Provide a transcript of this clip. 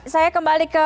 saya kembali ke